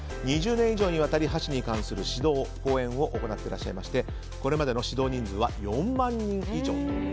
２０年以上にわたり箸にかんする指導・講演を行っておりましてこれまでの指導人数は４万人以上。